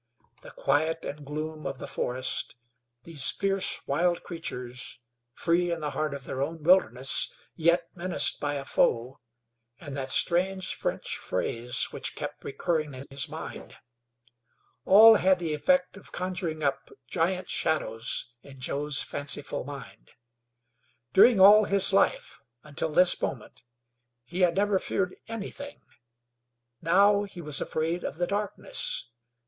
The quiet and gloom of the forest; these fierce, wild creatures, free in the heart of their own wilderness yet menaced by a foe, and that strange French phrase which kept recurring in his mind all had the effect of conjuring up giant shadows in Joe's fanciful mind. During all his life, until this moment, he had never feared anything; now he was afraid of the darkness.